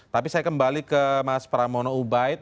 tapi saya kembali ke mas pramono ubaid